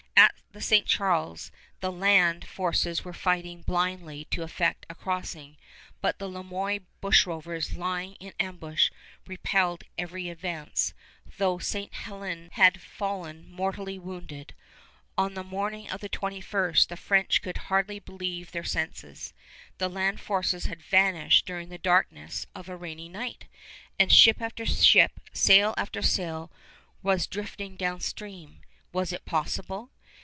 At the St. Charles the land forces were fighting blindly to effect a crossing, but the Le Moyne bushrovers lying in ambush repelled every advance, though Ste. Hélène had fallen mortally wounded. On the morning of the 21st the French could hardly believe their senses. The land forces had vanished during the darkness of a rainy night, and ship after ship, sail after sail, was drifting downstream was it possible?